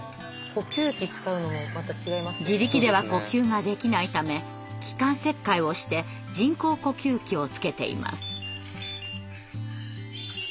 自力では呼吸ができないため気管切開をして人工呼吸器をつけています。